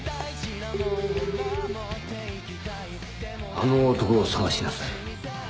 あの男を捜しなさい。